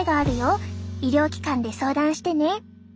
医療機関で相談してね。